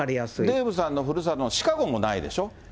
デーブさんの故郷のシカゴもないでしょ？